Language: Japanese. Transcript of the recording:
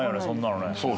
そんなのね。